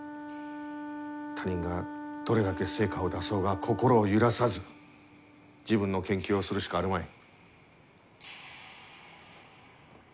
他人がどれだけ成果を出そうが心を揺らさず自分の研究をするしかあるまい。